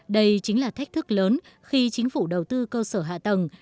đây chính là thách thức lớn khi chính phủ đầu tư cơ sở hạ tầng